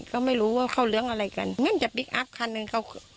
ก็ไม่รู้ว่าเขาเลี้ยงอะไรกันงั้นจะพลิกอัพคันหนึ่งเขา